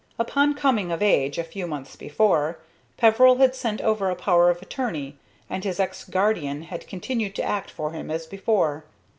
Upon coming of age, a few months before, Peveril had sent over a power of attorney, and his ex guardian had continued to act for him as before.